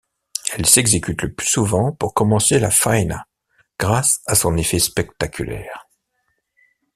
Elle s'exécute le plus souvent pour commencer la faena, grâce à son effet spectaculaire.